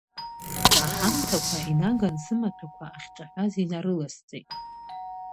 Аҳамҭақуа инаган сымаҭәақуа ахьҿаҳәаз инарыласҵеит.